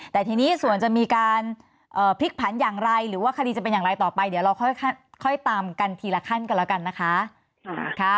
แต่ทีนี้ส่วนจะมีการพลิกผันอย่างไรหรือว่าคดีจะเป็นอย่างไรต่อไปเดี๋ยวเราค่อยตามกันทีละขั้นกันแล้วกันนะคะ